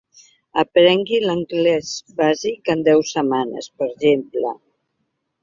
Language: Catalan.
«Aprengui l'anglès bàsic en deu setmanes», per exemple.